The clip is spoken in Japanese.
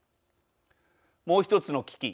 もう１つの危機